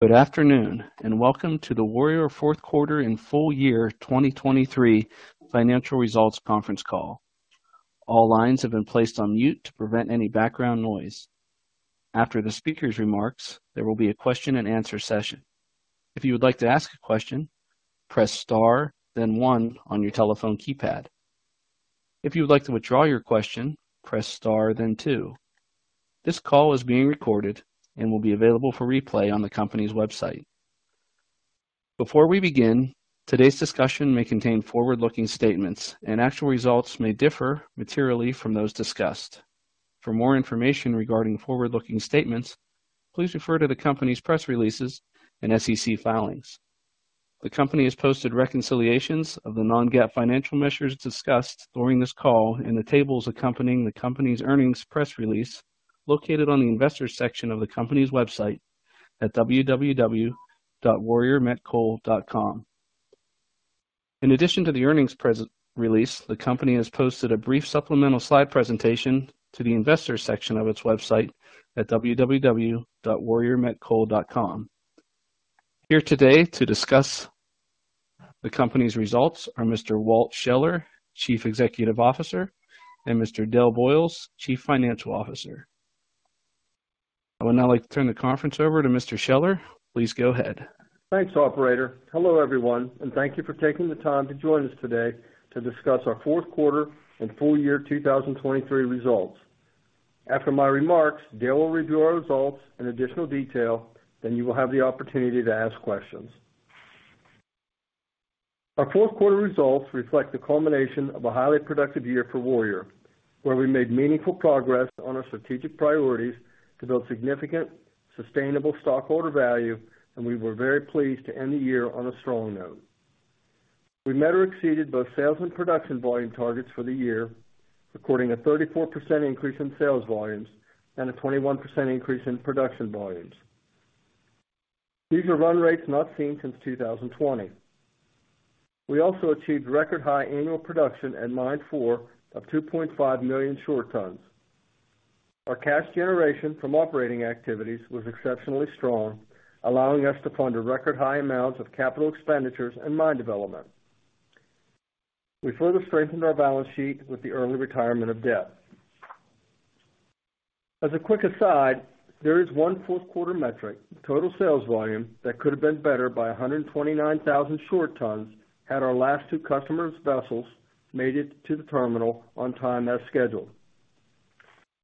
Good afternoon and welcome to the Warrior Met Coal Fourth Quarter and Full Year 2023 Financial Results Conference Call. All lines have been placed on mute to prevent any background noise. After the speaker's remarks, there will be a question-and-answer session. If you would like to ask a question, press star then 1 on your telephone keypad. If you would like to withdraw your question, press star then 2. This call is being recorded and will be available for replay on the company's website. Before we begin, today's discussion may contain forward-looking statements, and actual results may differ materially from those discussed. For more information regarding forward-looking statements, please refer to the company's press releases and SEC filings. The company has posted reconciliations of the non-GAAP financial measures discussed during this call in the tables accompanying the company's earnings press release, located on the investors section of the company's website at www.warriormetcoal.com. In addition to the earnings press release, the company has posted a brief supplemental slide presentation to the investors section of its website at www.warriormetcoal.com. Here today to discuss the company's results are Mr. Walt Scheller, Chief Executive Officer, and Mr. Dale Boyles, Chief Financial Officer. I would now like to turn the conference over to Mr. Scheller. Please go ahead. Thanks, Operator. Hello everyone, and thank you for taking the time to join us today to discuss our fourth quarter and full year 2023 results. After my remarks, Dale will review our results in additional detail, then you will have the opportunity to ask questions. Our fourth quarter results reflect the culmination of a highly productive year for Warrior, where we made meaningful progress on our strategic priorities to build significant, sustainable stockholder value, and we were very pleased to end the year on a strong note. We met or exceeded both sales and production volume targets for the year, recording a 34% increase in sales volumes and a 21% increase in production volumes. These are run rates not seen since 2020. We also achieved record high annual production at Mine 4 of 2.5 million short tons. Our cash generation from operating activities was exceptionally strong, allowing us to fund a record high amount of capital expenditures and mine development. We further strengthened our balance sheet with the early retirement of debt. As a quick aside, there is one fourth quarter metric, total sales volume, that could have been better by 129,000 short tons had our last two customers' vessels made it to the terminal on time as scheduled.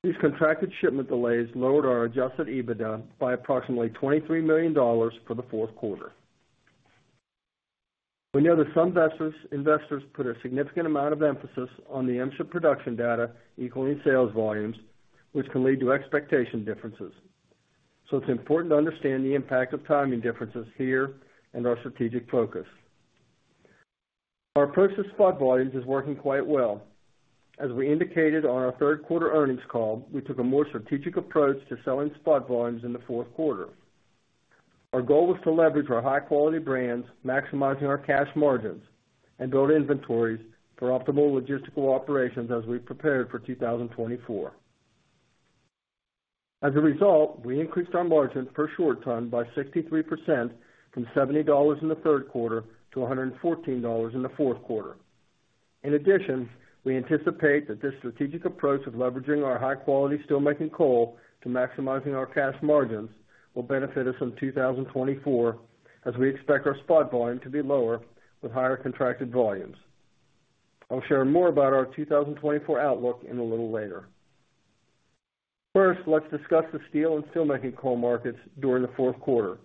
These contracted shipment delays lowered our Adjusted EBITDA by approximately $23 million for the fourth quarter. We know that some investors put a significant amount of emphasis on the MSHA production data equaling sales volumes, which can lead to expectation differences. So it's important to understand the impact of timing differences here and our strategic focus. Our approach to spot volumes is working quite well. As we indicated on our third quarter earnings call, we took a more strategic approach to selling spot volumes in the fourth quarter. Our goal was to leverage our high-quality brands, maximizing our cash margins, and build inventories for optimal logistical operations as we prepared for 2024. As a result, we increased our margin per short ton by 63% from $70 in the third quarter to $114 in the fourth quarter. In addition, we anticipate that this strategic approach of leveraging our high-quality steelmaking coal to maximizing our cash margins will benefit us in 2024 as we expect our spot volume to be lower with higher contracted volumes. I'll share more about our 2024 outlook in a little later. First, let's discuss the steel and steelmaking coal markets during the fourth quarter.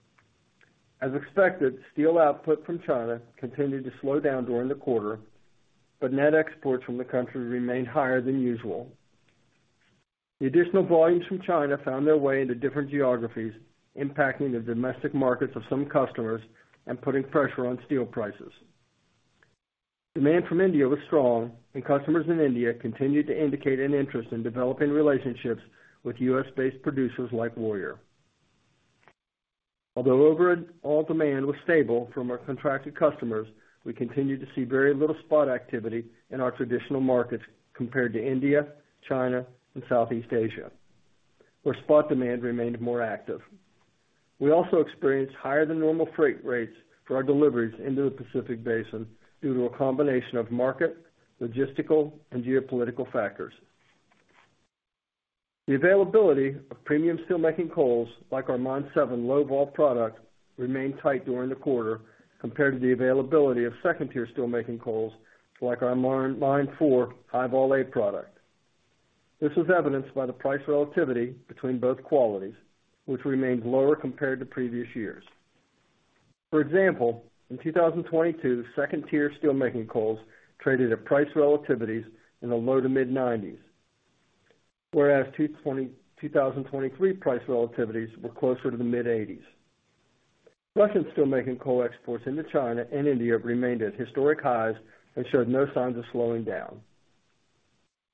As expected, steel output from China continued to slow down during the quarter, but net exports from the country remained higher than usual. The additional volumes from China found their way into different geographies, impacting the domestic markets of some customers and putting pressure on steel prices. Demand from India was strong, and customers in India continued to indicate an interest in developing relationships with U.S.-based producers like Warrior. Although overall demand was stable from our contracted customers, we continued to see very little spot activity in our traditional markets compared to India, China, and Southeast Asia, where spot demand remained more active. We also experienced higher-than-normal freight rates for our deliveries into the Pacific Basin due to a combination of market, logistical, and geopolitical factors. The availability of premium steelmaking coals like our Mine 7 longwall product remained tight during the quarter compared to the availability of second-tier steelmaking coals like our Mine 4 High-Vol A product. This was evidenced by the price relativity between both qualities, which remained lower compared to previous years. For example, in 2022, second-tier steelmaking coals traded at price relativities in the low to mid-90s, whereas 2023 price relativities were closer to the mid-80s. Russian steelmaking coal exports into China and India remained at historic highs and showed no signs of slowing down.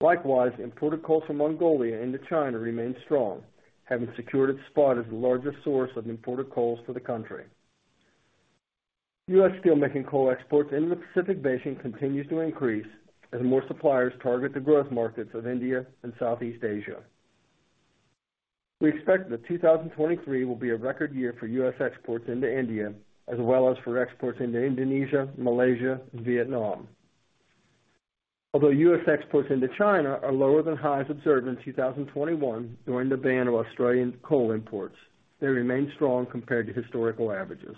Likewise, imported coals from Mongolia into China remained strong, having secured its spot as the largest source of imported coals for the country. U.S. steelmaking coal exports into the Pacific Basin continue to increase as more suppliers target the growth markets of India and Southeast Asia. We expect that 2023 will be a record year for U.S. exports into India as well as for exports into Indonesia, Malaysia, and Vietnam. Although U.S. exports into China are lower than highs observed in 2021 during the ban of Australian coal imports, they remain strong compared to historical averages.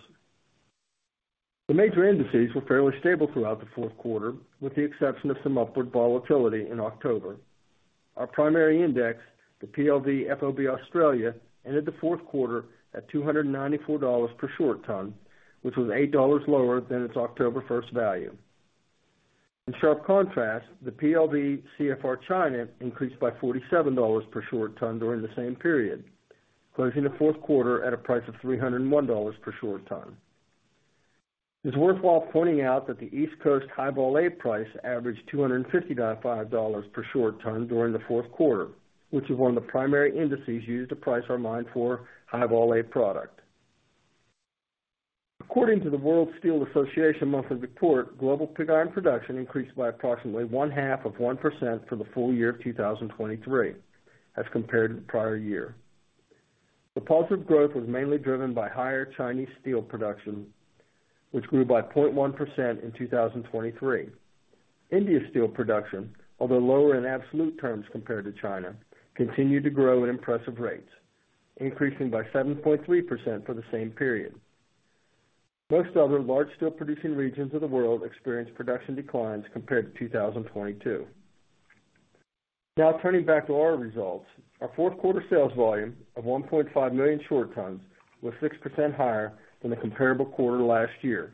The major indices were fairly stable throughout the fourth quarter, with the exception of some upward volatility in October. Our primary index, the PLV/FOB Australia, ended the fourth quarter at $294 per short ton, which was $8 lower than its October 1st value. In sharp contrast, the PLV/CFR China increased by $47 per short ton during the same period, closing the fourth quarter at a price of $301 per short ton. It's worthwhile pointing out that the East Coast High-Vol A price averaged $255 per short ton during the fourth quarter, which is one of the primary indices used to price our Mine 4 High-Vol A product. According to the World Steel Association monthly report, global pig iron production increased by approximately 0.5% for the full year of 2023 as compared to the prior year. The positive growth was mainly driven by higher Chinese steel production, which grew by 0.1% in 2023. India's steel production, although lower in absolute terms compared to China, continued to grow at impressive rates, increasing by 7.3% for the same period. Most other large steel-producing regions of the world experienced production declines compared to 2022. Now, turning back to our results, our fourth quarter sales volume of 1.5 million short tons was 6% higher than the comparable quarter last year.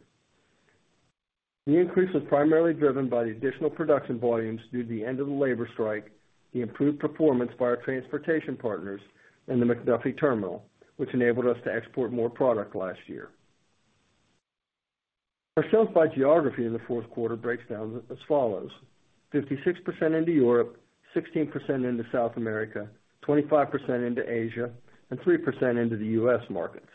The increase was primarily driven by the additional production volumes due to the end of the labor strike, the improved performance by our transportation partners, and the McDuffie Terminal, which enabled us to export more product last year. Our sales by geography in the fourth quarter breaks down as follows: 56% into Europe, 16% into South America, 25% into Asia, and 3% into the U.S. markets.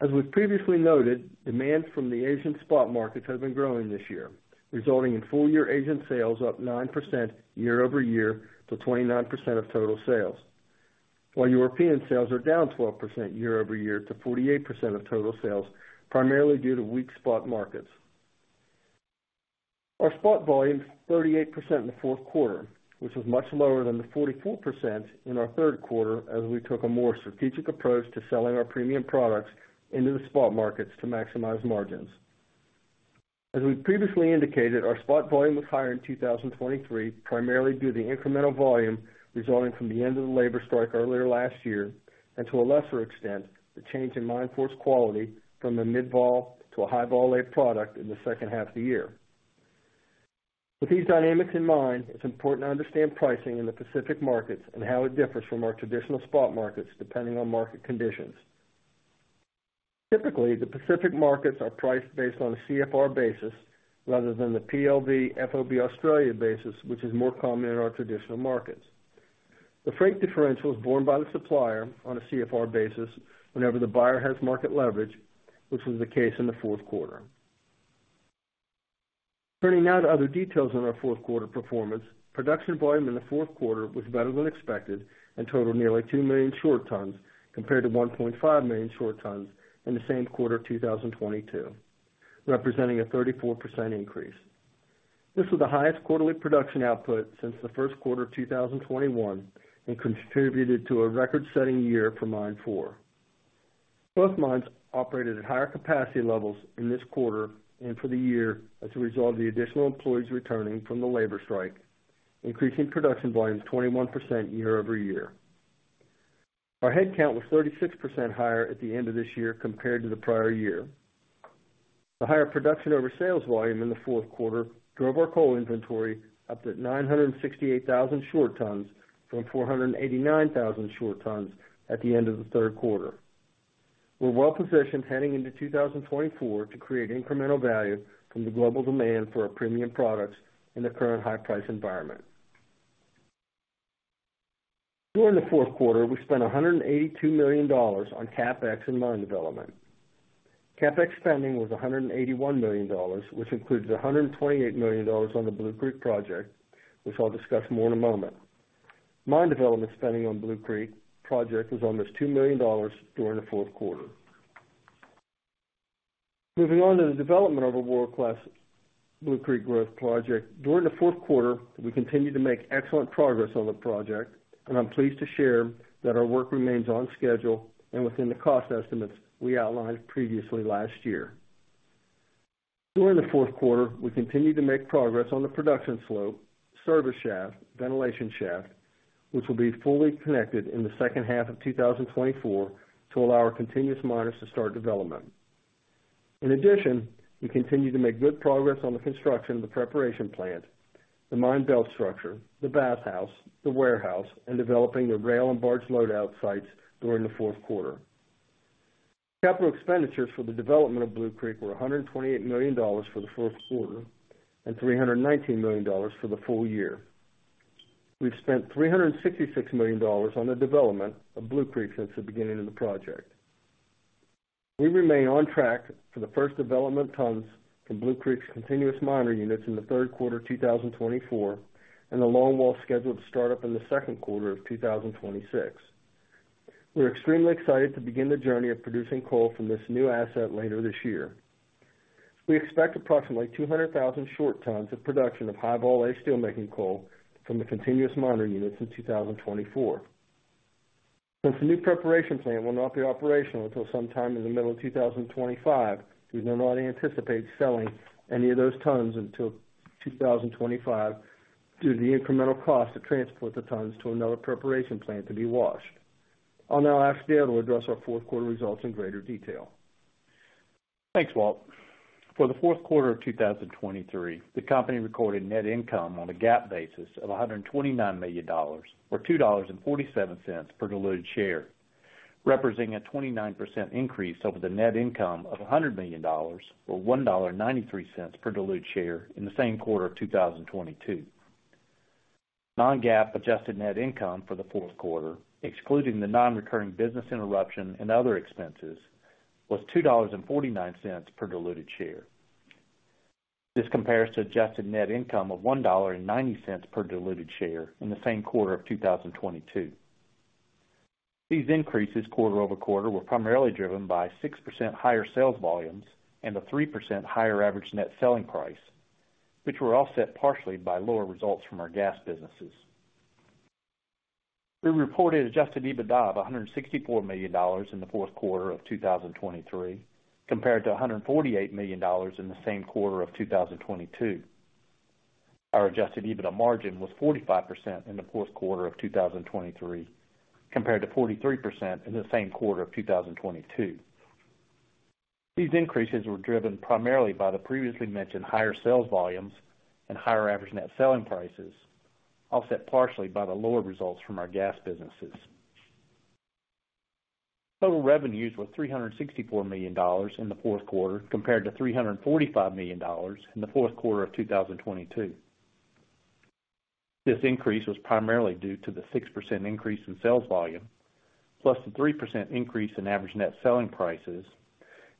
As we've previously noted, demand from the Asian spot markets has been growing this year, resulting in full-year Asian sales up 9% year-over-year to 29% of total sales, while European sales are down 12% year-over-year to 48% of total sales, primarily due to weak spot markets. Our spot volume is 38% in the fourth quarter, which was much lower than the 44% in our third quarter as we took a more strategic approach to selling our premium products into the spot markets to maximize margins. As we've previously indicated, our spot volume was higher in 2023 primarily due to the incremental volume resulting from the end of the labor strike earlier last year and, to a lesser extent, the change in Mine 4's quality from a Mid-Vol to a High-Vol A product in the second half of the year. With these dynamics in mind, it's important to understand pricing in the Pacific markets and how it differs from our traditional spot markets depending on market conditions. Typically, the Pacific markets are priced based on a CFR basis rather than the PLV/FOB Australia basis, which is more common in our traditional markets. The freight differential is borne by the supplier on a CFR basis whenever the buyer has market leverage, which was the case in the fourth quarter. Turning now to other details on our fourth quarter performance, production volume in the fourth quarter was better than expected and totaled nearly 2 million short tons compared to 1.5 million short tons in the same quarter of 2022, representing a 34% increase. This was the highest quarterly production output since the first quarter of 2021 and contributed to a record-setting year for Mine 4. Both mines operated at higher capacity levels in this quarter and for the year as a result of the additional employees returning from the labor strike, increasing production volumes 21% year-over-year. Our headcount was 36% higher at the end of this year compared to the prior year. The higher production over sales volume in the fourth quarter drove our coal inventory up to 968,000 short tons from 489,000 short tons at the end of the third quarter. We're well positioned heading into 2024 to create incremental value from the global demand for our premium products in the current high-price environment. During the fourth quarter, we spent $182 million on CapEx and mine development. CapEx spending was $181 million, which includes $128 million on the Blue Creek project, which I'll discuss more in a moment. Mine development spending on Blue Creek project was almost $2 million during the fourth quarter. Moving on to the development of a world-class Blue Creek growth project, during the fourth quarter, we continued to make excellent progress on the project, and I'm pleased to share that our work remains on schedule and within the cost estimates we outlined previously last year. During the fourth quarter, we continued to make progress on the production slope, service shaft, ventilation shaft, which will be fully connected in the second half of 2024 to allow our continuous miners to start development. In addition, we continued to make good progress on the construction of the preparation plant, the mine belt structure, the bathhouse, the warehouse, and developing the rail and barge loadout sites during the fourth quarter. Capital expenditures for the development of Blue Creek were $128 million for the fourth quarter and $319 million for the full year. We've spent $366 million on the development of Blue Creek since the beginning of the project. We remain on track for the first development tons from Blue Creek's continuous miner units in the third quarter of 2024 and the longwall scheduled startup in the second quarter of 2026. We're extremely excited to begin the journey of producing coal from this new asset later this year. We expect approximately 200,000 short tons of production of High-Vol A steelmaking coal from the continuous miner units in 2024. Since the new preparation plant will not be operational until sometime in the middle of 2025, we do not anticipate selling any of those tons until 2025 due to the incremental cost to transport the tons to another preparation plant to be washed. I'll now ask Dale to address our fourth quarter results in greater detail. Thanks, Walt. For the fourth quarter of 2023, the company recorded net income on a GAAP basis of $129 million or $2.47 per diluted share, representing a 29% increase over the net income of $100 million or $1.93 per diluted share in the same quarter of 2022. Non-GAAP adjusted net income for the fourth quarter, excluding the non-recurring business interruption and other expenses, was $2.49 per diluted share. This compares to adjusted net income of $1.90 per diluted share in the same quarter of 2022. These increases quarter-over-quarter were primarily driven by 6% higher sales volumes and a 3% higher average net selling price, which were offset partially by lower results from our gas businesses. We reported Adjusted EBITDA of $164 million in the fourth quarter of 2023 compared to $148 million in the same quarter of 2022. Our Adjusted EBITDA margin was 45% in the fourth quarter of 2023 compared to 43% in the same quarter of 2022. These increases were driven primarily by the previously mentioned higher sales volumes and higher average net selling prices, offset partially by the lower results from our gas businesses. Total revenues were $364 million in the fourth quarter compared to $345 million in the fourth quarter of 2022. This increase was primarily due to the 6% increase in sales volume plus the 3% increase in average net selling prices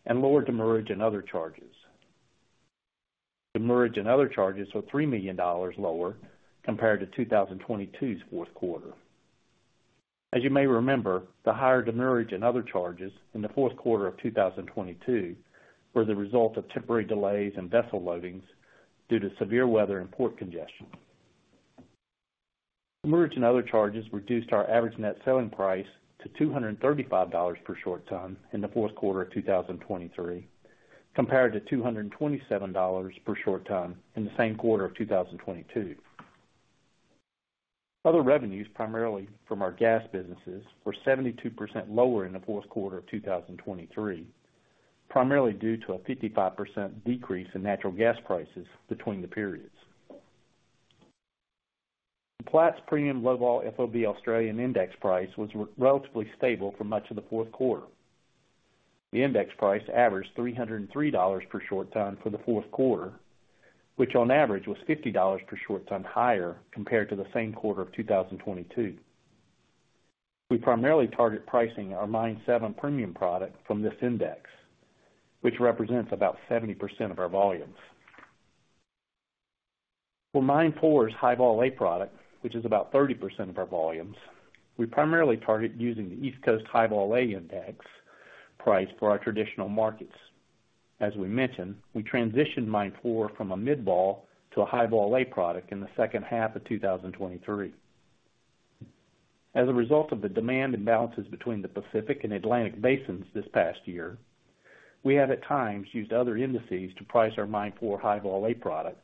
and lower demurrage and other charges. Demurrage and other charges were $3 million lower compared to 2022's fourth quarter. As you may remember, the higher demurrage and other charges in the fourth quarter of 2022 were the result of temporary delays and vessel loadings due to severe weather and port congestion. Demurrage and other charges reduced our average net selling price to $235 per short ton in the fourth quarter of 2023 compared to $227 per short ton in the same quarter of 2022. Other revenues, primarily from our gas businesses, were 72% lower in the fourth quarter of 2023, primarily due to a 55% decrease in natural gas prices between the periods. The Platts Premium Low Vol FOB Australia index price was relatively stable for much of the fourth quarter. The index price averaged $303 per short ton for the fourth quarter, which on average was $50 per short ton higher compared to the same quarter of 2022. We primarily target pricing our Mine 7 premium product from this index, which represents about 70% of our volumes. For Mine 4's High-Vol A product, which is about 30% of our volumes, we primarily target using the East Coast High-Vol A index price for our traditional markets. As we mentioned, we transitioned Mine 4 from a Mid-Vol to a High-Vol A product in the second half of 2023. As a result of the demand imbalances between the Pacific and Atlantic Basins this past year, we have at times used other indices to price our Mine 4 High-Vol A product,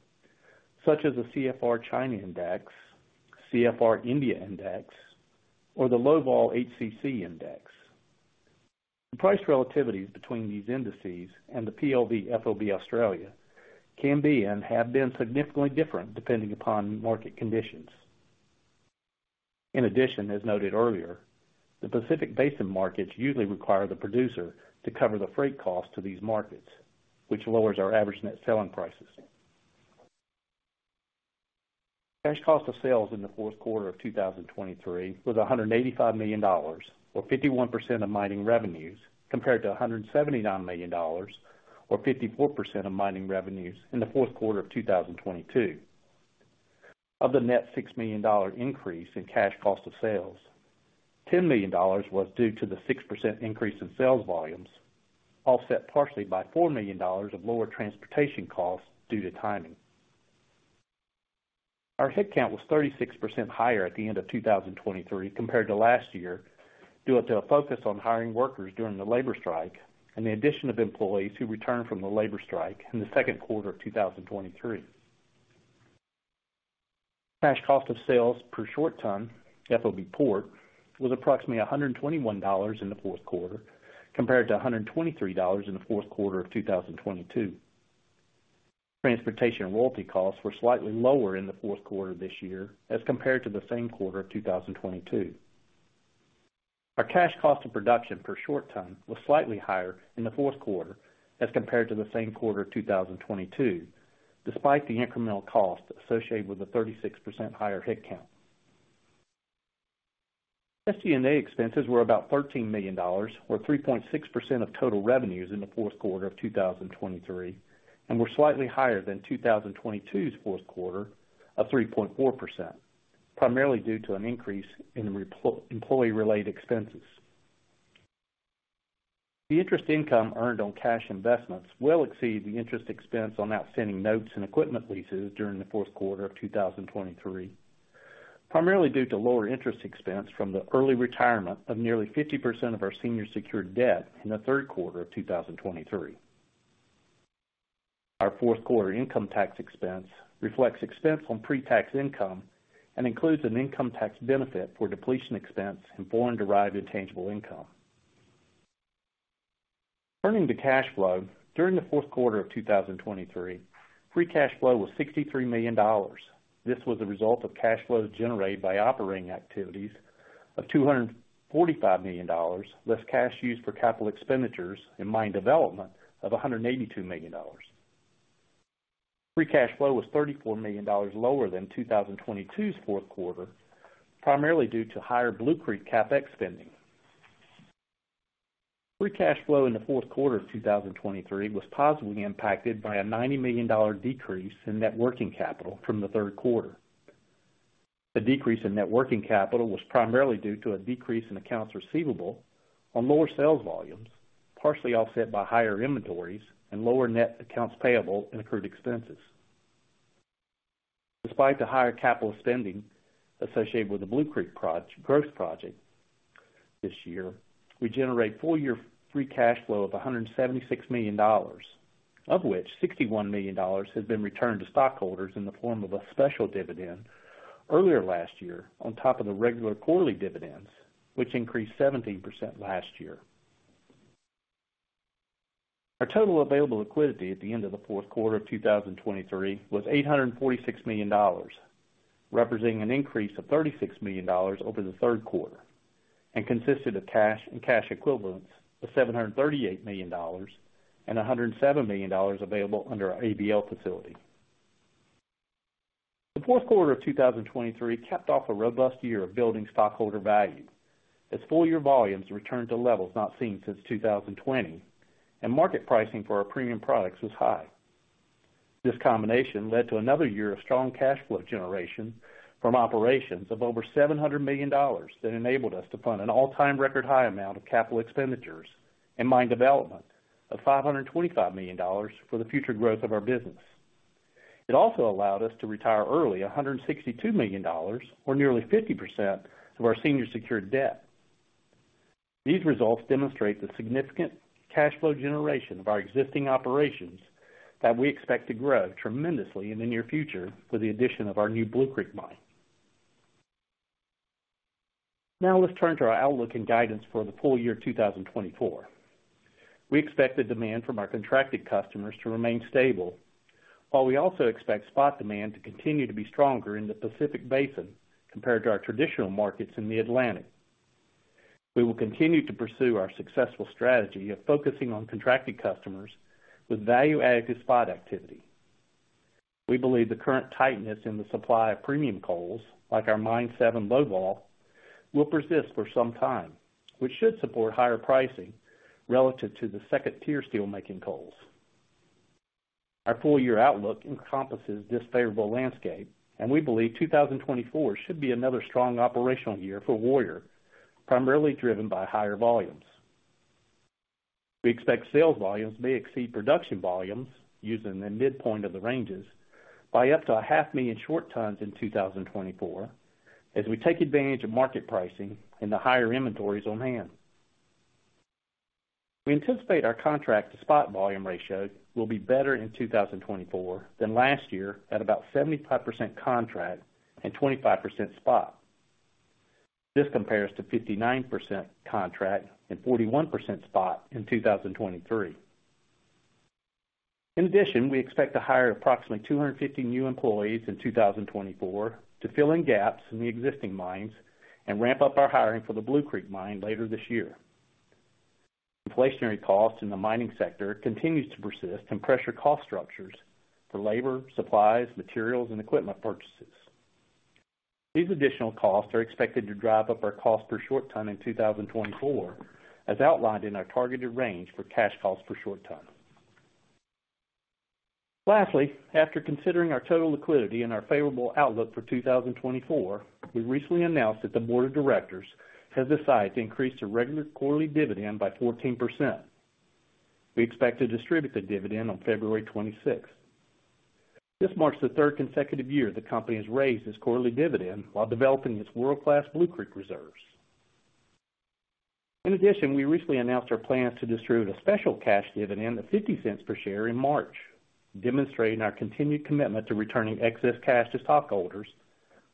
such as the CFR China index, CFR India index, or the Low Vol HCC index. The price relativities between these indices and the PLV/FOB Australia can be and have been significantly different depending upon market conditions. In addition, as noted earlier, the Pacific Basin markets usually require the producer to cover the freight costs to these markets, which lowers our average net selling prices. Cash cost of sales in the fourth quarter of 2023 was $185 million or 51% of mining revenues compared to $179 million or 54% of mining revenues in the fourth quarter of 2022. Of the net $6 million increase in cash cost of sales, $10 million was due to the 6% increase in sales volumes, offset partially by $4 million of lower transportation costs due to timing. Our headcount was 36% higher at the end of 2023 compared to last year due to a focus on hiring workers during the labor strike and the addition of employees who returned from the labor strike in the second quarter of 2023. Cash cost of sales per short ton, FOB port, was approximately $121 in the fourth quarter compared to $123 in the fourth quarter of 2022. Transportation royalty costs were slightly lower in the fourth quarter this year as compared to the same quarter of 2022. Our cash cost of production per short ton was slightly higher in the fourth quarter as compared to the same quarter of 2022, despite the incremental cost associated with the 36% higher headcount. SG&A expenses were about $13 million or 3.6% of total revenues in the fourth quarter of 2023 and were slightly higher than 2022's fourth quarter of 3.4%, primarily due to an increase in employee-related expenses. The interest income earned on cash investments will exceed the interest expense on outstanding notes and equipment leases during the fourth quarter of 2023, primarily due to lower interest expense from the early retirement of nearly 50% of our senior-secured debt in the third quarter of 2023. Our fourth quarter income tax expense reflects expense on pre-tax income and includes an income tax benefit for depletion expense and foreign-derived intangible income. Turning to cash flow, during the fourth quarter of 2023, free cash flow was $63 million. This was a result of cash flows generated by operating activities of $245 million, less cash used for capital expenditures in mine development of $182 million. Free cash flow was $34 million lower than 2022's fourth quarter, primarily due to higher Blue Creek CapEx spending. Free cash flow in the fourth quarter of 2023 was positively impacted by a $90 million decrease in net working capital from the third quarter. The decrease in net working capital was primarily due to a decrease in accounts receivable on lower sales volumes, partially offset by higher inventories and lower net accounts payable and accrued expenses. Despite the higher capital spending associated with the Blue Creek growth project this year, we generate full-year free cash flow of $176 million, of which $61 million has been returned to stockholders in the form of a special dividend earlier last year on top of the regular quarterly dividends, which increased 17% last year. Our total available liquidity at the end of the fourth quarter of 2023 was $846 million, representing an increase of $36 million over the third quarter and consisted of cash and cash equivalents of $738 million and $107 million available under our ABL Facility. The fourth quarter of 2023 capped off a robust year of building stockholder value as full-year volumes returned to levels not seen since 2020, and market pricing for our premium products was high. This combination led to another year of strong cash flow generation from operations of over $700 million that enabled us to fund an all-time record high amount of capital expenditures in mine development of $525 million for the future growth of our business. It also allowed us to retire early $162 million or nearly 50% of our senior-secured debt. These results demonstrate the significant cash flow generation of our existing operations that we expect to grow tremendously in the near future with the addition of our new Blue Creek mine. Now, let's turn to our outlook and guidance for the full year 2024. We expect the demand from our contracted customers to remain stable, while we also expect spot demand to continue to be stronger in the Pacific Basin compared to our traditional markets in the Atlantic. We will continue to pursue our successful strategy of focusing on contracted customers with value-added to spot activity. We believe the current tightness in the supply of premium coals, like our Mine 7 longwall, will persist for some time, which should support higher pricing relative to the second-tier steelmaking coals. Our full-year outlook encompasses this favorable landscape, and we believe 2024 should be another strong operational year for Warrior, primarily driven by higher volumes. We expect sales volumes may exceed production volumes using the midpoint of the ranges by up to 500,000 short tons in 2024 as we take advantage of market pricing and the higher inventories on hand. We anticipate our contract to spot volume ratio will be better in 2024 than last year at about 75% contract and 25% spot. This compares to 59% contract and 41% spot in 2023. In addition, we expect to hire approximately 250 new employees in 2024 to fill in gaps in the existing mines and ramp up our hiring for the Blue Creek mine later this year. Inflationary costs in the mining sector continues to persist and pressure cost structures for labor, supplies, materials, and equipment purchases. These additional costs are expected to drive up our cost per short ton in 2024 as outlined in our targeted range for cash cost per short ton. Lastly, after considering our total liquidity and our favorable outlook for 2024, we recently announced that the board of directors has decided to increase the regular quarterly dividend by 14%. We expect to distribute the dividend on February 26th. This marks the third consecutive year the company has raised its quarterly dividend while developing its world-class Blue Creek reserves. In addition, we recently announced our plans to distribute a special cash dividend of $0.50 per share in March, demonstrating our continued commitment to returning excess cash to stockholders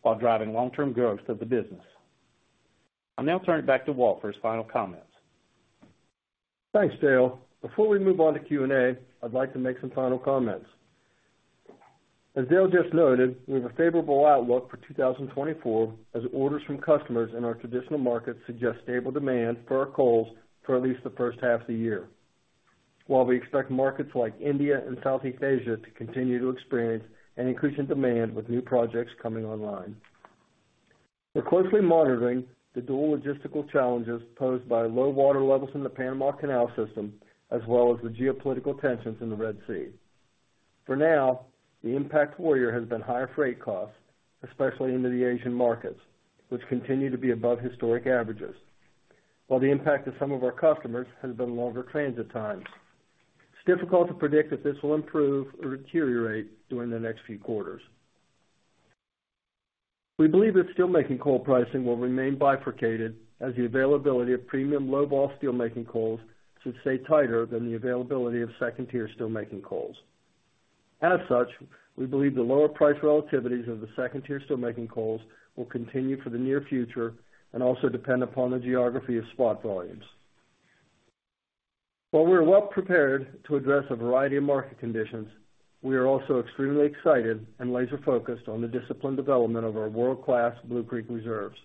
while driving long-term growth of the business. I'll now turn it back to Walter's final comments. Thanks, Dale. Before we move on to Q&A, I'd like to make some final comments. As Dale just noted, we have a favorable outlook for 2024 as orders from customers in our traditional markets suggest stable demand for our coals for at least the first half of the year, while we expect markets like India and Southeast Asia to continue to experience an increase in demand with new projects coming online. We're closely monitoring the dual logistical challenges posed by low water levels in the Panama Canal system as well as the geopolitical tensions in the Red Sea. For now, the impact Warrior has been higher freight costs, especially into the Asian markets, which continue to be above historic averages, while the impact to some of our customers has been longer transit times. It's difficult to predict if this will improve or deteriorate during the next few quarters. We believe that steelmaking coal pricing will remain bifurcated as the availability of premium longwall steelmaking coals should stay tighter than the availability of second-tier steelmaking coals. As such, we believe the lower price relativities of the second-tier steelmaking coals will continue for the near future and also depend upon the geography of spot volumes. While we are well prepared to address a variety of market conditions, we are also extremely excited and laser-focused on the discipline development of our world-class Blue Creek reserves.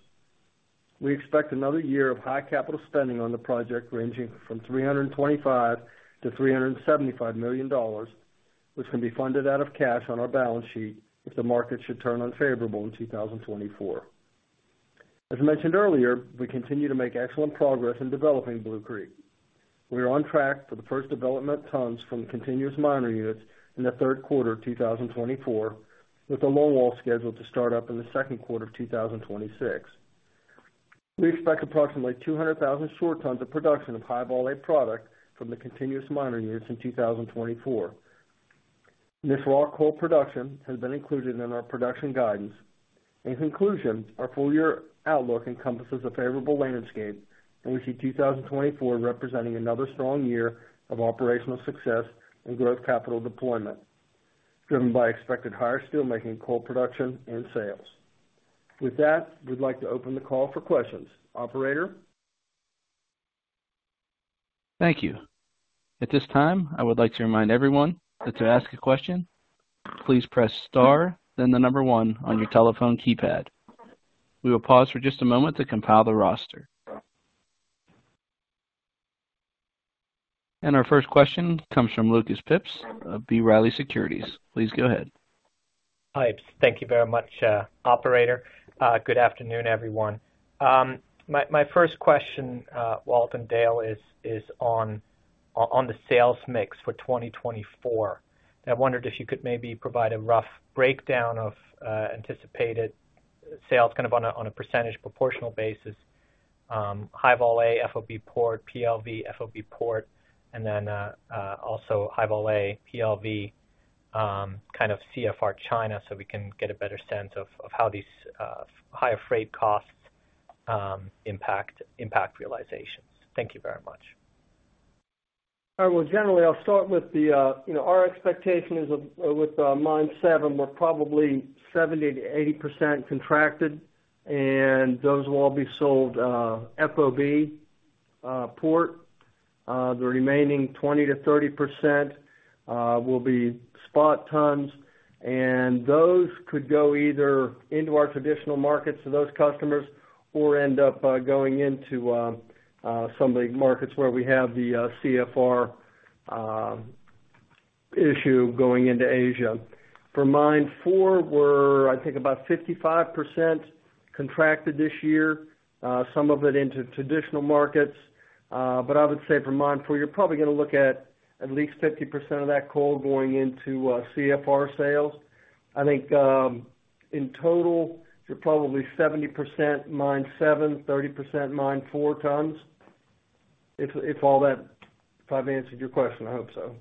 We expect another year of high capital spending on the project ranging from $325 million-$375 million, which can be funded out of cash on our balance sheet if the markets should turn unfavorable in 2024. As mentioned earlier, we continue to make excellent progress in developing Blue Creek. We are on track for the first development tons from continuous miner units in the third quarter of 2024, with the longwall scheduled to start up in the second quarter of 2026. We expect approximately 200,000 short tons of production of High-Vol A product from the continuous miner units in 2024. This raw coal production has been included in our production guidance. In conclusion, our full-year outlook encompasses a favorable landscape, and we see 2024 representing another strong year of operational success and growth capital deployment driven by expected higher steelmaking coal production and sales. With that, we'd like to open the call for questions. Operator? Thank you. At this time, I would like to remind everyone that to ask a question, please press star, then the number one on your telephone keypad. We will pause for just a moment to compile the roster. And our first question comes from Lucas Pipes of B. Riley Securities. Please go ahead. Hi, Pipes. Thank you very much, Operator. Good afternoon, everyone. My first question, Walter and Dale, is on the sales mix for 2024. I wondered if you could maybe provide a rough breakdown of anticipated sales, kind of on a percentage proportional basis: High-Vol A, FOB port, PLV, FOB port, and then also High-Vol A, PLV, kind of CFR China so we can get a better sense of how these higher freight costs impact realizations. Thank you very much. All right. Well, generally, I'll start with our expectation is with Mine 7, we're probably 70%-80% contracted, and those will all be sold FOB port. The remaining 20%-30% will be spot tons, and those could go either into our traditional markets to those customers or end up going into some of the markets where we have the CFR issue going into Asia. For Mine 4, we're, I think, about 55% contracted this year, some of it into traditional markets. But I would say for Mine 4, you're probably going to look at least 50% of that coal going into CFR sales. I think in total, you're probably 70% Mine 7, 30% Mine 4 tons, if all that if I've answered your question. I hope so.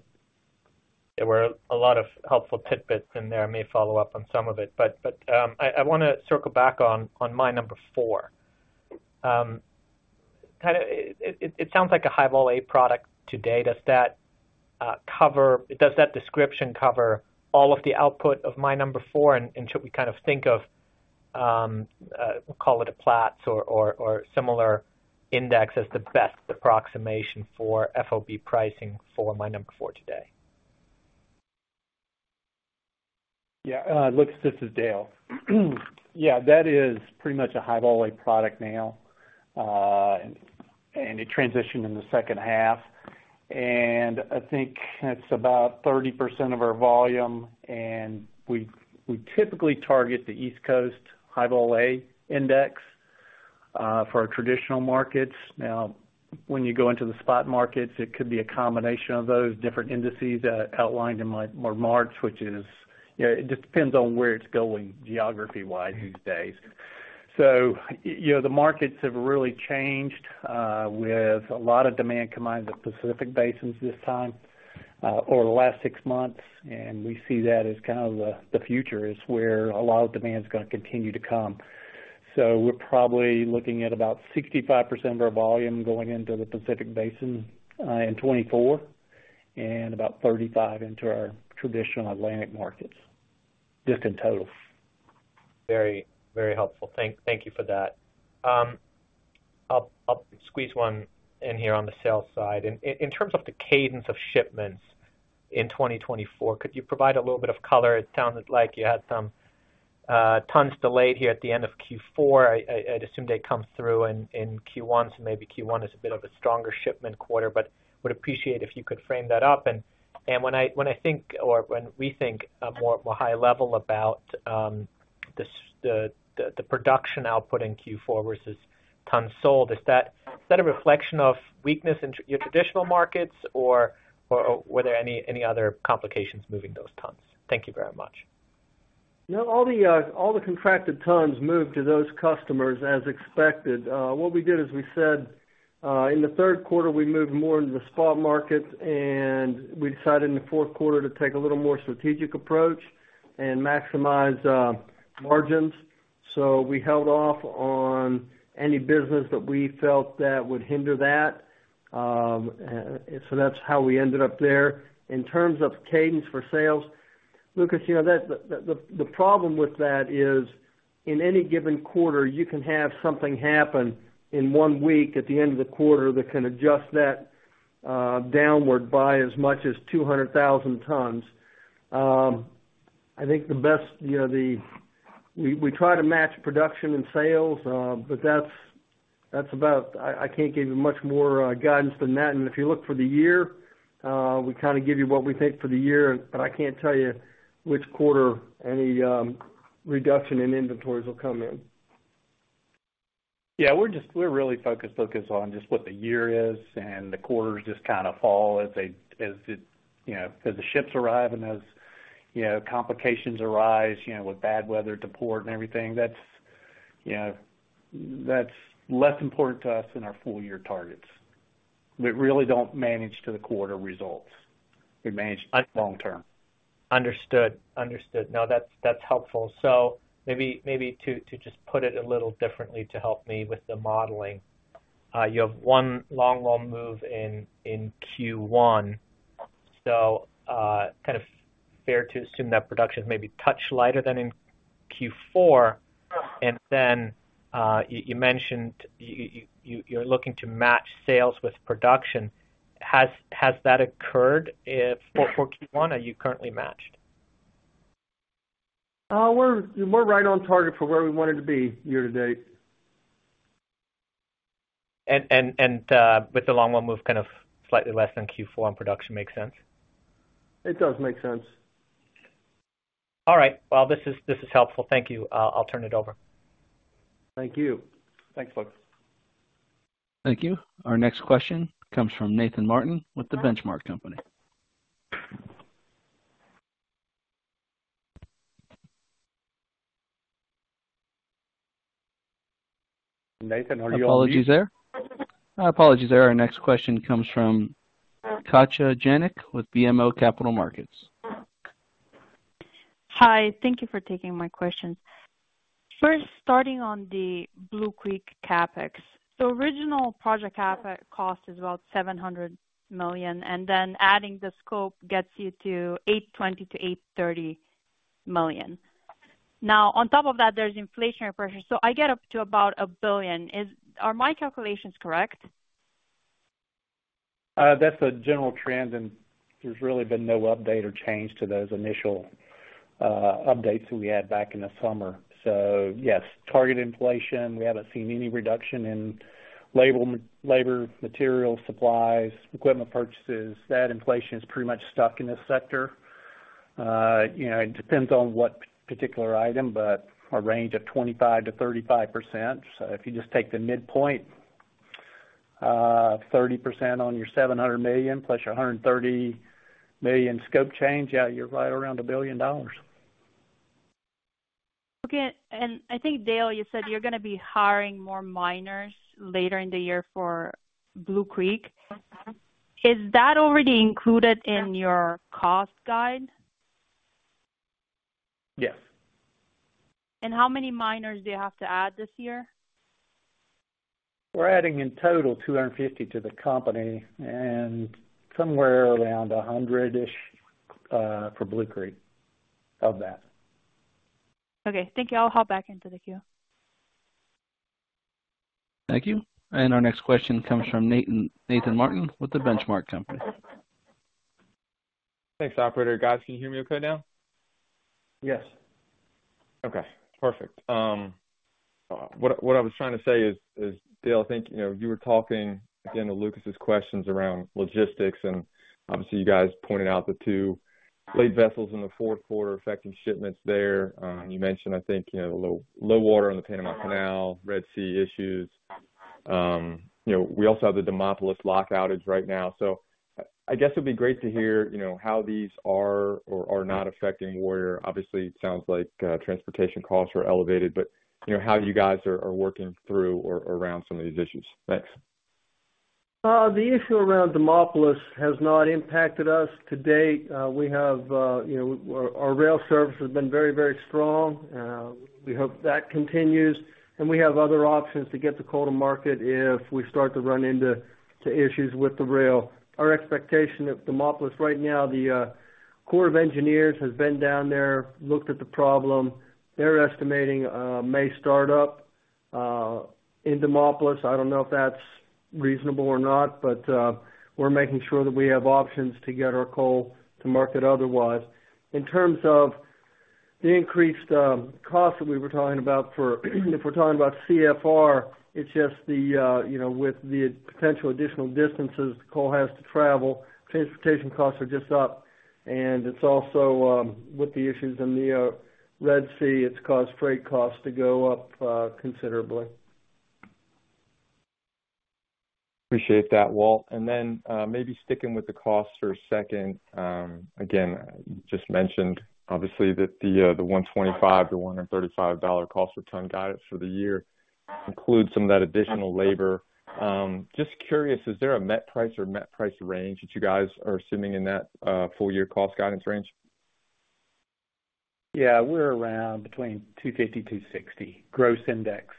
Yeah. There were a lot of helpful tidbits in there. I may follow up on some of it. But I want to circle back on Mine 4. It sounds like a High-Vol A product today. Does that description cover all of the output of Mine 4, and should we kind of think of we'll call it a Platts or similar index as the best approximation for FOB pricing for Mine 4 today? Yeah. This is Dale. Yeah. That is pretty much a High-Vol A product now, and it transitioned in the second half. I think it's about 30% of our volume, and we typically target the East Coast High-Vol A Index for our traditional markets. Now, when you go into the spot markets, it could be a combination of those different indices outlined in my remarks, which is, it just depends on where it's going geography-wise these days. So the markets have really changed with a lot of demand combined with the Pacific Basin this time over the last six months, and we see that as kind of the future is where a lot of demand is going to continue to come. We're probably looking at about 65% of our volume going into the Pacific Basin in 2024 and about 35% into our traditional Atlantic markets, just in total. Very, very helpful. Thank you for that. I'll squeeze one in here on the sales side. In terms of the cadence of shipments in 2024, could you provide a little bit of color? It sounded like you had some tons delayed here at the end of Q4. I'd assume they come through in Q1, so maybe Q1 is a bit of a stronger shipment quarter, but would appreciate if you could frame that up. And when I think or when we think more high-level about the production output in Q4 versus tons sold, is that a reflection of weakness in your traditional markets, or were there any other complications moving those tons? Thank you very much. No. All the contracted tons moved to those customers as expected. What we did is we said in the third quarter, we moved more into the spot markets, and we decided in the fourth quarter to take a little more strategic approach and maximize margins. So we held off on any business that we felt that would hinder that, so that's how we ended up there. In terms of cadence for sales, Lucas, the problem with that is in any given quarter, you can have something happen in one week at the end of the quarter that can adjust that downward by as much as 200,000 tons. I think the best we try to match production and sales, but that's about I can't give you much more guidance than that. If you look for the year, we kind of give you what we think for the year, but I can't tell you which quarter any reduction in inventories will come in. Yeah. We're really focused on just what the year is, and the quarters just kind of fall as the ships arrive and as complications arise with bad weather to port and everything. That's less important to us than our full-year targets. We really don't manage to the quarter results. We manage long-term. Understood. Understood. No, that's helpful. So maybe to just put it a little differently to help me with the modeling, you have one longwall move in Q1. So kind of fair to assume that production is maybe touch lighter than in Q4. And then you mentioned you're looking to match sales with production. Has that occurred for Q1? Are you currently matched? We're right on target for where we wanted to be year to date. With the longwall move kind of slightly less than Q4 on production, makes sense? It does make sense. All right. Well, this is helpful. Thank you. I'll turn it over. Thank you. Thanks, folks. Thank you. Our next question comes from Nathan Martin with The Benchmark Company. Nathan, are you on mute? Apologies there. Our next question comes from Katja Jancic with BMO Capital Markets. Hi. Thank you for taking my questions. First, starting on the Blue Creek CapEx. The original project cost is about $700 million, and then adding the scope gets you to $820 million-$830 million. Now, on top of that, there's inflationary pressure, so I get up to about $1 billion. Are my calculations correct? That's a general trend, and there's really been no update or change to those initial updates that we had back in the summer. So yes, target inflation, we haven't seen any reduction in labor materials, supplies, equipment purchases. That inflation is pretty much stuck in this sector. It depends on what particular item, but a range of 25%-35%. So if you just take the midpoint, 30% on your $700 million plus your $130 million scope change, yeah, you're right around $1 billion. I think, Dale, you said you're going to be hiring more miners later in the year for Blue Creek. Is that already included in your cost guide? Yes. How many miners do you have to add this year? We're adding in total 250 to the company and somewhere around 100-ish for Blue Creek of that. Okay. Thank you. I'll hop back into the queue. Thank you. Our next question comes from Nathan Martin with The Benchmark Company. Thanks, Operator. Guys, can you hear me okay now? Yes. Okay. Perfect. What I was trying to say is, Dale, I think you were talking, again, to Lucas's questions around logistics, and obviously, you guys pointed out the two late vessels in the fourth quarter affecting shipments there. You mentioned, I think, the low water in the Panama Canal, Red Sea issues. We also have the Demopolis Lock outage right now. So I guess it would be great to hear how these are or are not affecting Warrior. Obviously, it sounds like transportation costs are elevated, but how you guys are working through or around some of these issues? Thanks. The issue around Demopolis has not impacted us to date. Our rail service has been very, very strong. We hope that continues. We have other options to get the coal to market if we start to run into issues with the rail. Our expectation at Demopolis right now, the Corps of Engineers has been down there, looked at the problem. They're estimating a May startup in Demopolis. I don't know if that's reasonable or not, but we're making sure that we have options to get our coal to market otherwise. In terms of the increased cost that we were talking about for if we're talking about CFR, it's just with the potential additional distances the coal has to travel. Transportation costs are just up. It's also with the issues in the Red Sea. It's caused freight costs to go up considerably. Appreciate that, Walt. And then maybe sticking with the costs for a second. Again, you just mentioned, obviously, that the $125-$135 cost per ton guidance for the year includes some of that additional labor. Just curious, is there a met price or met price range that you guys are assuming in that full-year cost guidance range? Yeah. We're around between 250-260, gross index,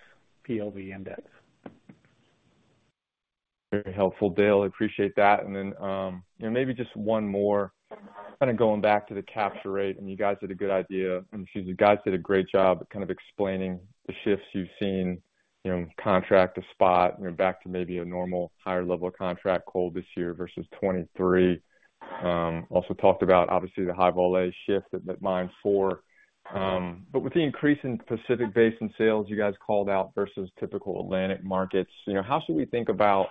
PLV index. Very helpful, Dale. Appreciate that. And then maybe just one more, kind of going back to the capture rate, and you guys did a great job kind of explaining the shifts you've seen: contract to spot, back to maybe a normal higher-level contract coal this year versus 2023. Also talked about, obviously, the High-Vol A shift at Mine 4. But with the increase in Pacific Basin sales, you guys called out versus typical Atlantic markets. How should we think about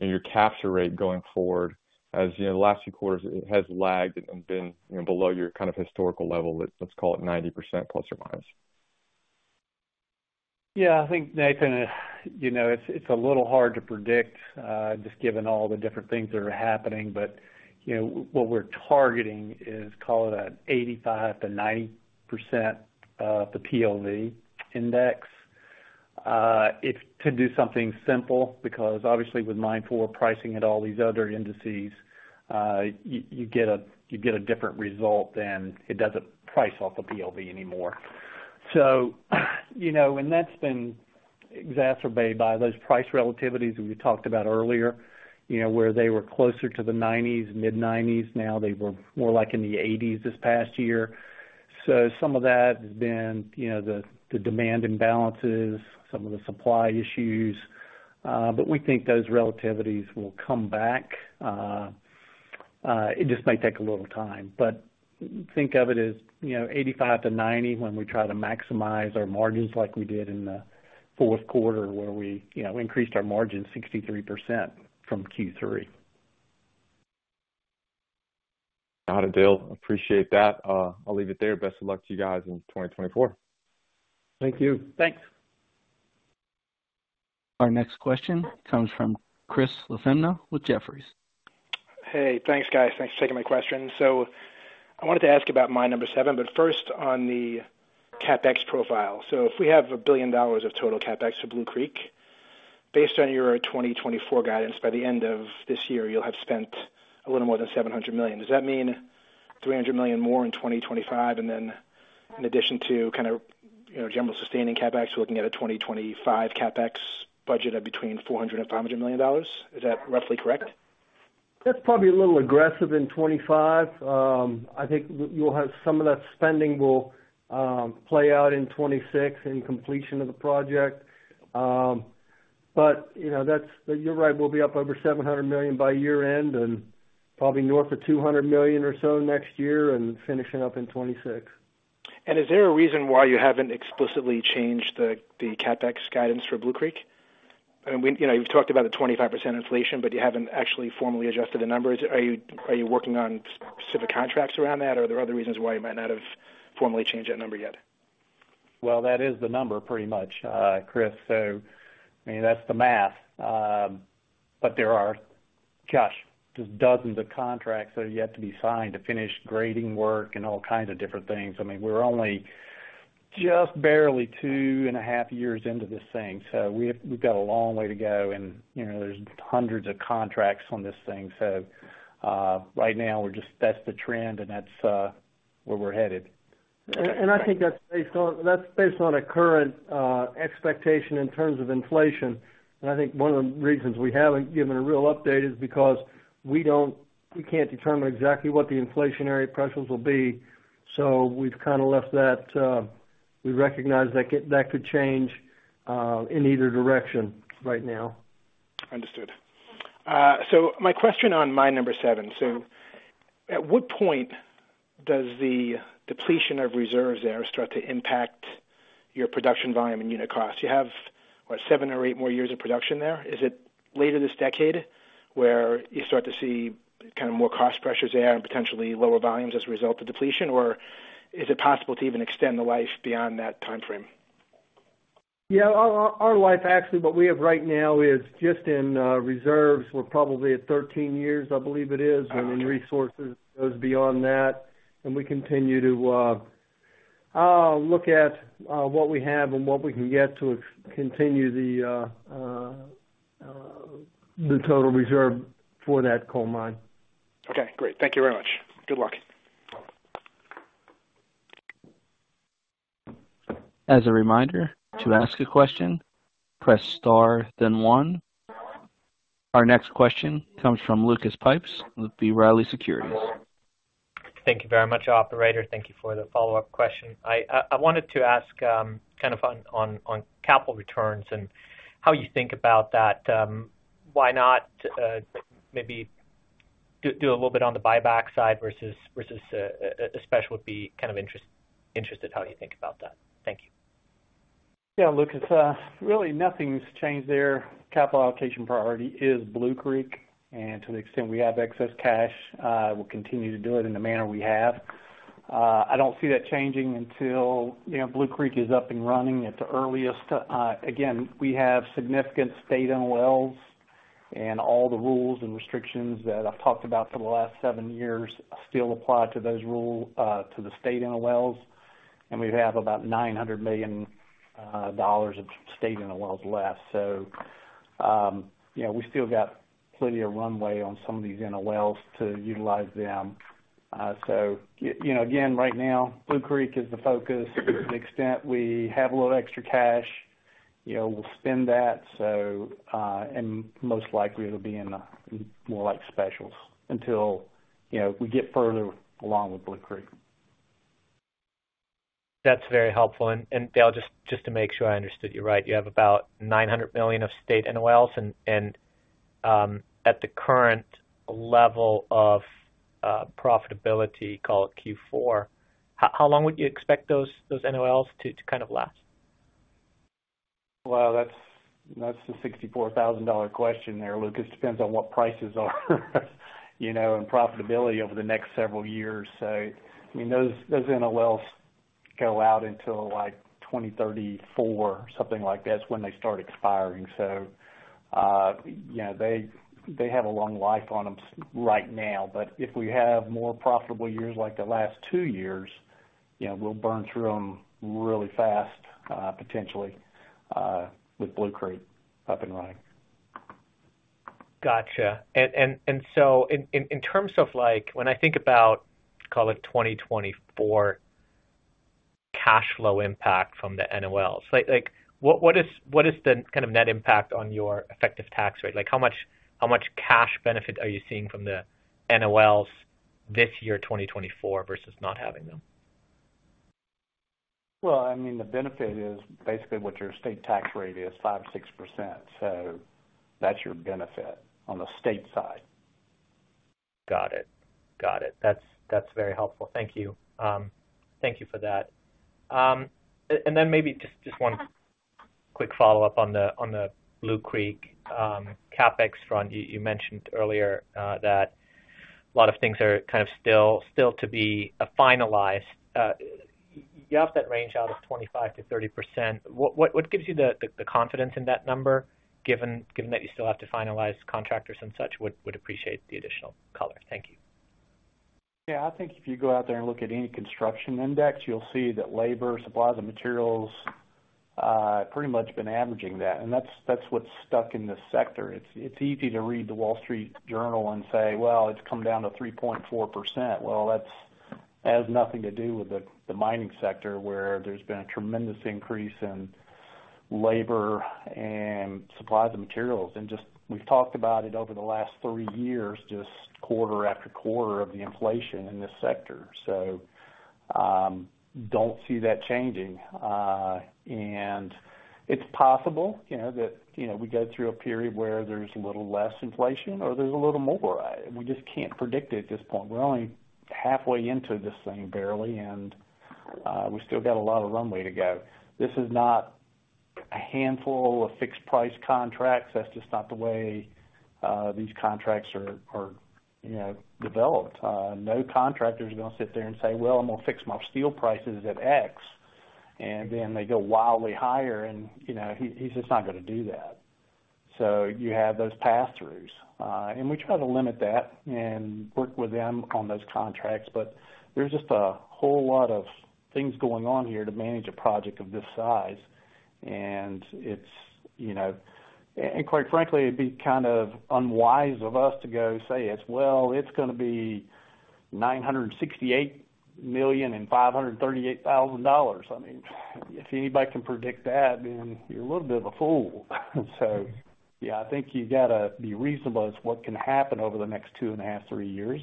your capture rate going forward as the last few quarters has lagged and been below your kind of historical level, let's call it 90% plus or minus? Yeah. I think, Nathan, it's a little hard to predict just given all the different things that are happening, but what we're targeting is, call it, at 85%-90% of the PLV index. To do something simple because, obviously, with Mine 4 pricing at all these other indices, you get a different result than it doesn't price off the PLV anymore. And that's been exacerbated by those price relativities we talked about earlier where they were closer to the 90s, mid-90s. Now, they were more like in the 80s this past year. So some of that has been the demand imbalances, some of the supply issues. But we think those relativities will come back. It just may take a little time. Think of it as 85%-90% when we try to maximize our margins like we did in the fourth quarter where we increased our margin 63% from Q3. Got it, Dale. Appreciate that. I'll leave it there. Best of luck to you guys in 2024. Thank you. Thanks. Our next question comes from Chris LaFemina with Jefferies. Hey. Thanks, guys. Thanks for taking my question. So I wanted to ask about Mine 7, but first on the CapEx profile. So if we have $1 billion of total CapEx for Blue Creek, based on your 2024 guidance, by the end of this year, you'll have spent a little more than $700 million. Does that mean $300 million more in 2025, and then in addition to kind of general sustaining CapEx, we're looking at a 2025 CapEx budget of between $400 million and $500 million? Is that roughly correct? That's probably a little aggressive in 2025. I think some of that spending will play out in 2026 in completion of the project. But you're right. We'll be up over $700 million by year-end and probably north of $200 million or so next year and finishing up in 2026. Is there a reason why you haven't explicitly changed the CapEx guidance for Blue Creek? I mean, you've talked about the 25% inflation, but you haven't actually formally adjusted the number. Are you working on specific contracts around that, or are there other reasons why you might not have formally changed that number yet? Well, that is the number pretty much, Chris. So I mean, that's the math. But there are, gosh, just dozens of contracts that are yet to be signed to finish grading work and all kinds of different things. I mean, we're only just barely two and a half years into this thing, so we've got a long way to go. And there's hundreds of contracts on this thing. So right now, that's the trend, and that's where we're headed. I think that's based on a current expectation in terms of inflation. I think one of the reasons we haven't given a real update is because we can't determine exactly what the inflationary pressures will be. We've kind of left that we recognize that could change in either direction right now. Understood. So my question on Mine 7, so at what point does the depletion of reserves there start to impact your production volume and unit cost? You have what, 7 or 8 more years of production there? Is it later this decade where you start to see kind of more cost pressures there and potentially lower volumes as a result of depletion, or is it possible to even extend the life beyond that timeframe? Yeah. Mine life, actually, what we have right now is just in reserves. We're probably at 13 years, I believe it is, and in resources. It goes beyond that. And we continue to look at what we have and what we can get to continue the total reserve for that coal mine. Okay. Great. Thank you very much. Good luck. As a reminder, to ask a question, press star, then 1. Our next question comes from Lucas Pipes with B. Riley Securities. Thank you very much, Operator. Thank you for the follow-up question. I wanted to ask kind of on capital returns and how you think about that. Why not maybe do a little bit on the buyback side versus a special? Would be kind of interested how you think about that. Thank you. Yeah, Lucas. Really, nothing's changed there. Capital allocation priority is Blue Creek, and to the extent we have excess cash, we'll continue to do it in the manner we have. I don't see that changing until Blue Creek is up and running at the earliest. Again, we have significant state NOLs, and all the rules and restrictions that I've talked about for the last seven years still apply to the state NOLs. We have about $900 million of state NOLs left. We still got plenty of runway on some of these NOLs to utilize them. Again, right now, Blue Creek is the focus. To the extent we have a little extra cash, we'll spend that. Most likely, it'll be more like specials until we get further along with Blue Creek. That's very helpful. Dale, just to make sure I understood you right, you have about $900 million of state NOLs. At the current level of profitability, call it Q4, how long would you expect those NOLs to kind of last? Well, that's the $64,000 question there, Lucas. Depends on what prices are and profitability over the next several years. So I mean, those NOLs go out until 2034, something like that's when they start expiring. So they have a long life on them right now. But if we have more profitable years like the last two years, we'll burn through them really fast, potentially, with Blue Creek up and running. Gotcha. And so in terms of when I think about, call it, 2024 cash flow impact from the NOLs, what is the kind of net impact on your effective tax rate? How much cash benefit are you seeing from the NOLs this year, 2024, versus not having them? Well, I mean, the benefit is basically what your state tax rate is, 5%-6%. So that's your benefit on the state side. Got it. Got it. That's very helpful. Thank you. Thank you for that. And then maybe just one quick follow-up on the Blue Creek CapEx front. You mentioned earlier that a lot of things are kind of still to be finalized. You have that range out of 25%-30%. What gives you the confidence in that number, given that you still have to finalize contractors and such? I would appreciate the additional color. Thank you. Yeah. I think if you go out there and look at any construction index, you'll see that labor, supplies, and materials have pretty much been averaging that. And that's what's stuck in this sector. It's easy to read the Wall Street Journal and say, "Well, it's come down to 3.4%." Well, that has nothing to do with the mining sector where there's been a tremendous increase in labor and supplies and materials. And we've talked about it over the last three years, just quarter after quarter of the inflation in this sector. So don't see that changing. And it's possible that we go through a period where there's a little less inflation or there's a little more. We just can't predict it at this point. We're only halfway into this thing, barely, and we still got a lot of runway to go. This is not a handful of fixed-price contracts. That's just not the way these contracts are developed. No contractor's going to sit there and say, "Well, I'm going to fix my steel prices at X," and then they go wildly higher. And he's just not going to do that. So you have those pass-throughs. And we try to limit that and work with them on those contracts. But there's just a whole lot of things going on here to manage a project of this size. And quite frankly, it'd be kind of unwise of us to go say, "Well, it's going to be $968 million and $538,000." I mean, if anybody can predict that, then you're a little bit of a fool. So yeah, I think you got to be reasonable as to what can happen over the next 2.5-3 years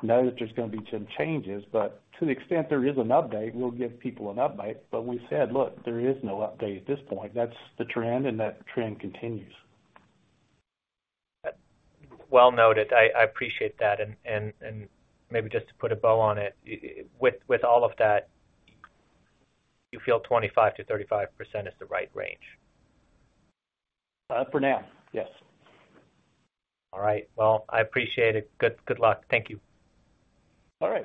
and know that there's going to be some changes. But to the extent there is an update, we'll give people an update. But we've said, "Look, there is no update at this point." That's the trend, and that trend continues. Well noted. I appreciate that. Maybe just to put a bow on it, with all of that, you feel 25%-35% is the right range? For now, yes. All right. Well, I appreciate it. Good luck. Thank you. All right. Thank you. At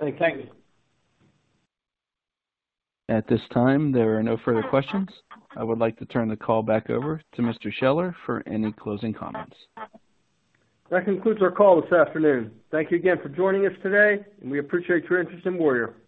this time, there are no further questions. I would like to turn the call back over to Mr. Scheller for any closing comments. That concludes our call this afternoon. Thank you again for joining us today, and we appreciate your interest in Warrior.